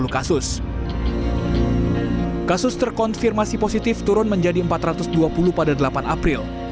kasus kasus terkonfirmasi positif turun menjadi empat ratus dua puluh pada delapan april